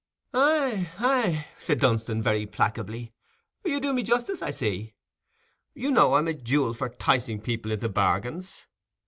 "Aye, aye," said Dunstan, very placably, "you do me justice, I see. You know I'm a jewel for 'ticing people into bargains.